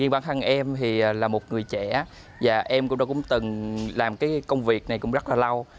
riêng bản thân em thì là một người trẻ và em cũng đã từng làm cái công việc này cũng rất là lâu